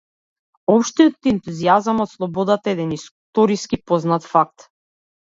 Општиот ентузијазам од слободата е еден историски познат факт.